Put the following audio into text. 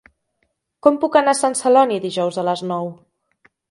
Com puc anar a Sant Celoni dijous a les nou?